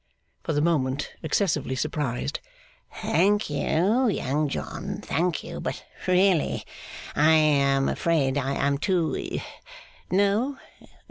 (For the moment, excessively surprised.) 'Thank you, Young John, thank you. But really, I am afraid I am too No?